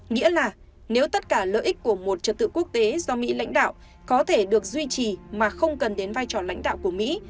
nghĩa là nếu tất cả lợi ích của một trật tự quốc tế do mỹ lãnh đạo có thể được duy trì mà không cần đến vai trò lãnh đạo của mỹ